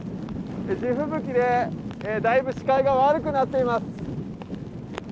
地吹雪で、だいぶ視界が悪くなっています。